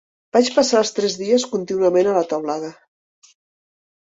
Vaig passar els tres dies contínuament a la teulada